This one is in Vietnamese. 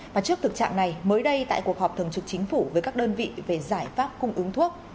và trước thực trạng này mới đây tại cuộc họp thường trực chính phủ với các đơn vị về giải pháp cung ứng thuốc